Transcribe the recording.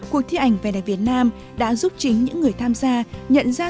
cuộc thi ảnh về đại việt nam đã giúp chính những người tham gia